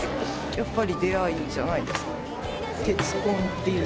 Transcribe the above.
やっぱり出会いじゃないですか。